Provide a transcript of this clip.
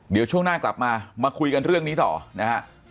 เดี๋ยวช่วงหน้ากลับมามาคุยกันเรื่องนี้ต่อนะฮะ